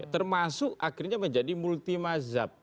termasuk akhirnya menjadi multi mazhab